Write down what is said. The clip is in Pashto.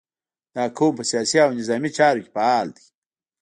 • دا قوم په سیاسي او نظامي چارو کې فعال دی.